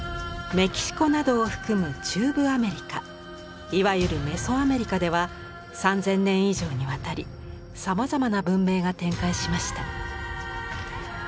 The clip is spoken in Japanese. メキシコなどを含む中部アメリカいわゆるメソアメリカでは３０００年以上にわたりさまざまな文明が展開しました。